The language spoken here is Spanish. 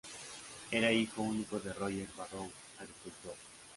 Era hijo único de Roger Barrow, agricultor.